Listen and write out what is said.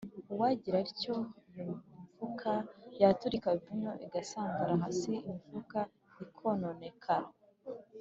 uwagira atyo iyo mifuka yaturika, vino igasandara hasi imifuka ikononekara